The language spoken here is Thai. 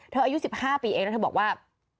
อายุ๑๕ปีเองแล้วเธอบอกว่า